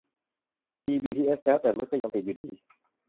มีบีทีเอสแล้ว แต่รถก็ยังติดอยู่ดี